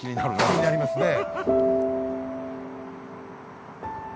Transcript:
気になりますね。